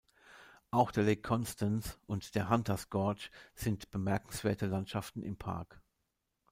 Auch der Lake Constance und der Hunters Gorge sind bemerkenswerte Landschaften im Park.